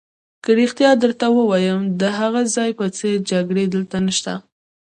که رښتیا درته ووایم، د هغه ځای په څېر جګړې دلته نشته.